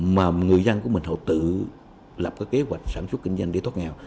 mà người dân của mình họ tự lập các kế hoạch sản xuất kinh doanh để thoát nghèo